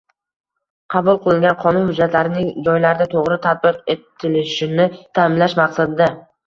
qabul qilingan qonun hujjatlarining joylarda to‘g‘ri tatbiq etilishini ta’minlash maqsadida.